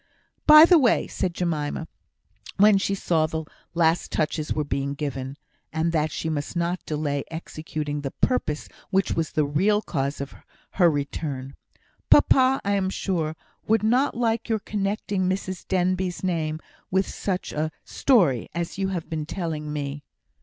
"By the way," said Jemima, when she saw the last touches were being given, and that she must not delay executing the purpose which was the real cause of her return "Papa, I am sure, would not like your connecting Mrs Denbigh's name with such a story as you have been telling me."